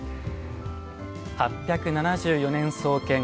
８７４年創建。